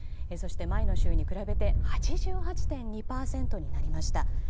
そして前の週に比べて８８．２％になりました。